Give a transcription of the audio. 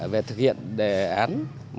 về thực hiện đề án một nghìn hai trăm bảy mươi